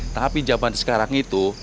tapi zaman sekarang itu